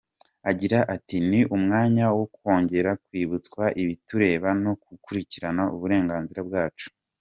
Agira ati “Ni umwanya wo kungera kwibutswa ibitureba no gukurikirana uburenganzira bwacu.